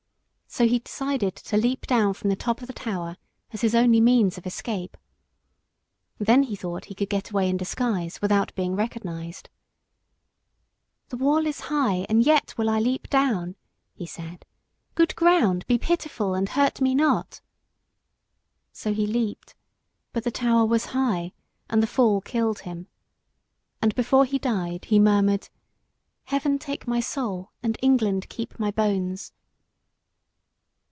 So he decided to leap down from the top of the tower as his only means of escape. Then he thought he could get away in disguise without being recognised. "The wall is high, and yet will I leap down," he said. "Good ground, be pitiful and hurt me not." So he leaped, but the tower was high, and the fall killed him. And before he died, he murmured "Heaven take my soul and England keep my bones."